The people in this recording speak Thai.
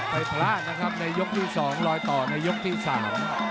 พลาดนะครับในยกที่สองรอยต่อในยกที่สาม